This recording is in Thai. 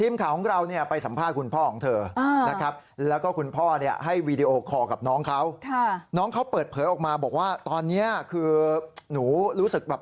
อีกครั้งที่โรงพยาบาล